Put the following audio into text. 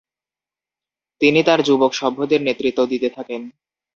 তিনি তার যুবক সভ্যদের নেতৃত্ব দিতে থাকেন।